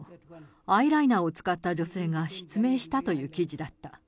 アイライナーを使った女性が失明したという記事だった。